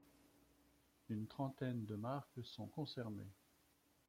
Une trentaine de marques sont concernées.